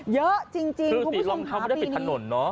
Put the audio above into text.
เยอะจริงจริงคือศรีลมเขาไม่ได้ปิดถนนเนาะ